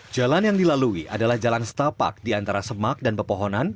jalan yang dilalui adalah jalan setapak di antara semak dan pepohonan